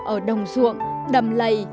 ở đồng ruộng đầm lầy